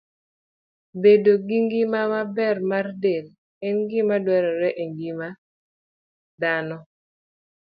Bedo gi ngima maber mar del en gima dwarore ahinya e ngima dhano.